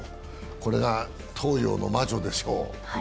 これが東洋の魔女でしょう。